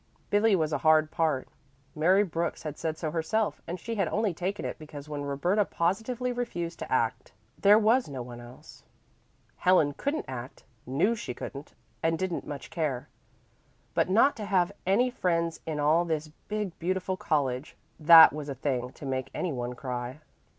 Billy was a hard part; Mary Brooks had said so herself, and she had only taken it because when Roberta positively refused to act, there was no one else. Helen couldn't act, knew she couldn't, and didn't much care. But not to have any friends in all this big, beautiful college that was a thing to make any one cry.